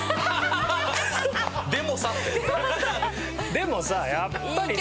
でもさやっぱりさ。